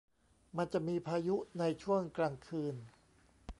มันจะมีพายุในช่วงกลางคืน